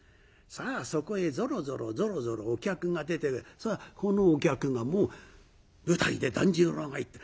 さあそこへぞろぞろぞろぞろお客が出てこのお客がもう舞台で團十郎が言った。